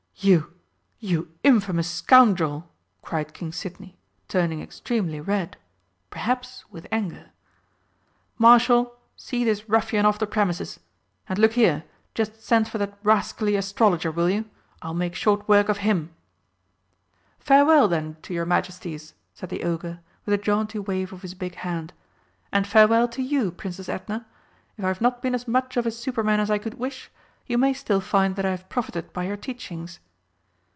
"You you infamous scoundrel!" cried King Sidney, turning extremely red, perhaps with anger. "Marshal, see this ruffian off the premises and look here, just send for that rascally astrologer, will you? I'll make short work of him!" "Farewell, then, to your Majesties," said the Ogre, with a jaunty wave of his big hand. "And farewell to you, Princess Edna. If I have not been as much of a Superman as I could wish, you may still find that I have profited by your teachings."